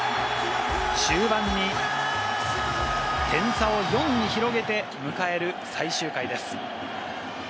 終盤に点差を４に広げて、迎える最終回です。